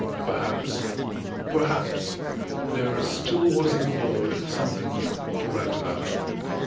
... Perhaps, perhaps, there still was in the world something to write about.